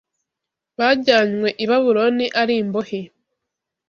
bajyanywe i Babuloni ari imbohe